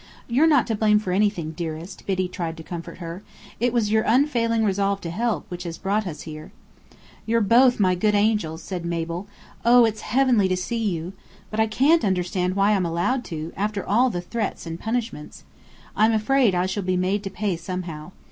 "You're not to blame for anything, dearest," Biddy tried to comfort her. "It was your unfailing resolve to help, which has brought us here." "You're both my good angels," said Mabel, "Oh, it's heavenly to see you. But I can't understand why I'm allowed to, after all the threats and punishments. I'm afraid I shall be made to pay somehow.